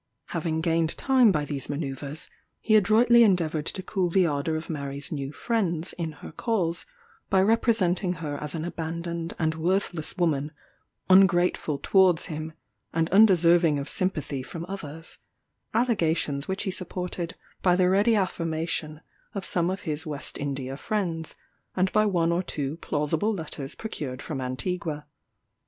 Having gained time by these manoeuvres, he adroitly endeavoured to cool the ardour of Mary's new friends, in her cause, by representing her as an abandoned and worthless woman, ungrateful towards him, and undeserving of sympathy from others; allegations which he supported by the ready affirmation of some of his West India friends, and by one or two plausible letters procured from Antigua.